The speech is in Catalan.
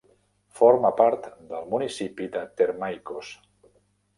Forma part del municipi de Thermaikos.